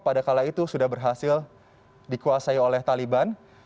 pada kala itu sudah berhasil dikuasai oleh taliban